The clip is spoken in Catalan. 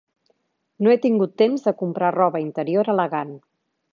No he tingut temps de comprar roba interior elegant.